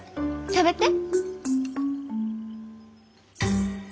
食べて。